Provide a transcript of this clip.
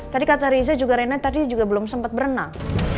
tadi kata reza juga rena tadi juga belum sempat berenang